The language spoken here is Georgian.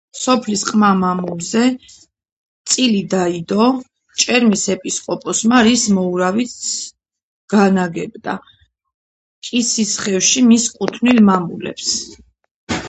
სოფლის ყმა-მამულზე წილი დაიდო ჭერმის ეპისკოპოსმა, რის მოურავიც განაგებდა კისისხევში მის კუთვნილ მამულებს.